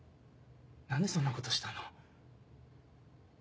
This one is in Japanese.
何でそんなことしたの？